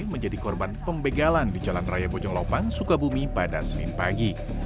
menjadi korban pembegalan di jalan raya bojong lopang sukabumi pada senin pagi